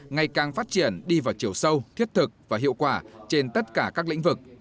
ngày càng phát triển đi vào chiều sâu thiết thực và hiệu quả trên tất cả các lĩnh vực